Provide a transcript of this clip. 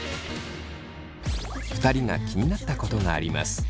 ２人が気になったことがあります。